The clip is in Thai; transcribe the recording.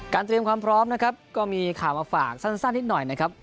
เตรียมความพร้อมนะครับก็มีข่าวมาฝากสั้นนิดหน่อยนะครับ